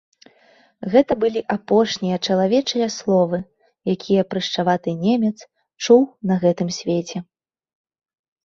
Гэта былі апошнія чалавечыя словы, якія прышчаваты немец чуў на гэтым свеце.